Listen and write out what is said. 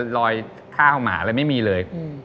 รอยข้าวหมาอะไรไม่มีเลย